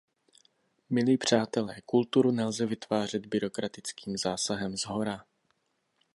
Milí přátelé, kulturu nelze vytvářet byrokratickým zásahem shora.